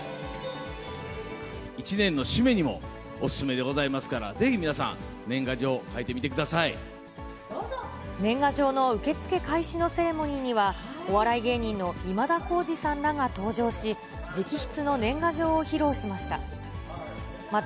１年の締めにもお勧めでございますから、ぜひ皆さん、年賀状の受け付け開始のセレモニーには、お笑い芸人の今田耕司さんらが登場し、直筆の年賀状を披露しました。